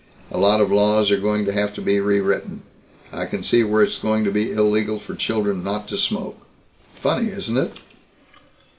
A lot of laws are going to have to be rewritten. I can see where it's going to be illegal for children not to smoke. Funny, isn't it?